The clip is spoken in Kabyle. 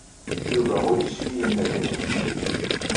Yuba ur yecfi yenna-d aya.